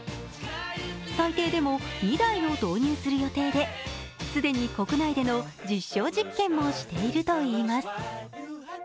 最低でも２台を導入する予定で、既に国内での実証実験もしているといいます。